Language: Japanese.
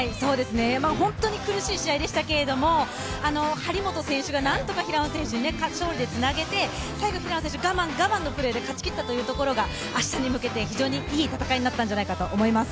本当に苦しい試合でしたけれども張本選手がなんとか平野選手に勝利でつなげて、最後、平野選手、我慢我慢のプレーで勝ち、明日に向けて非常にいい戦いになったんじゃないかと思います。